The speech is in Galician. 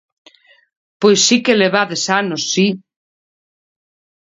Pois si que levades anos, si.